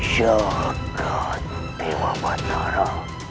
syokot dewa batara